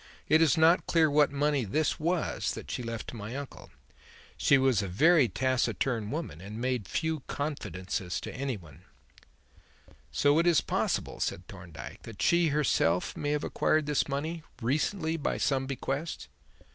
It is not clear what money this was that she left to my uncle. She was a very taciturn woman and made few confidences to anyone." "So that it is possible," said Thorndyke, "that she, herself, may have acquired this money recently by some bequest?"